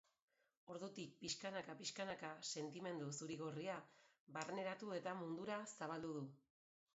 Ordutik pixkanaka-pixkanaka sentimendu zuri-gorria barneratu eta mundura zabaldu du.